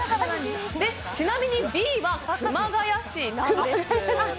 ちなみにＢは熊谷市です。